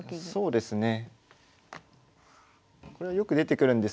そうですね。